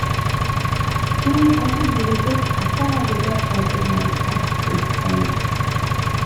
Сүүгээ саяхан хөөрүүлээд загсаагаагүй байж байдаг маань таарч дээ, ёстой нэг.